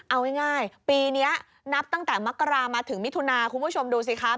เอาง่ายปีนี้นับตั้งแต่มกรามาถึงมิถุนาคุณผู้ชมดูสิคะ